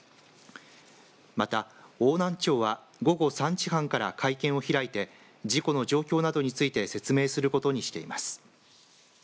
また、邑南町は午後３時半から会見を開いて事故の状況などについて説明することにしています。